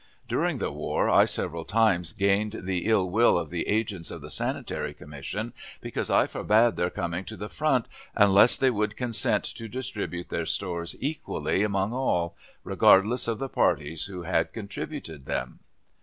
During the war I several times gained the ill will of the agents of the Sanitary Commission because I forbade their coming to the front unless they would consent to distribute their stores equally among all, regardless of the parties who had contributed them.